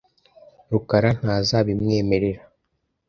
rukara ntazabimwemerera .